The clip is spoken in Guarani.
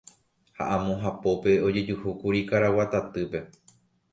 Ha amo hapópe ojejuhúkuri karaguatatýpe.